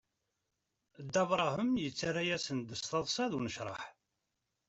Dda Brahem yettara-yasen-d s taḍsa d unecraḥ.